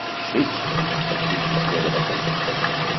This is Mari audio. «Шич!» — кӱштыш следователь.